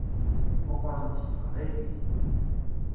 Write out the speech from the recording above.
Meqqṛen-d s teqbaylit.